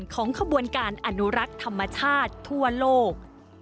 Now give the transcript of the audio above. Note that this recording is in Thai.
ของขบวนการอนุรักษ์ธรรมชาติทั่วโลก